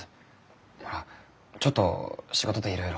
ちょっと仕事でいろいろ。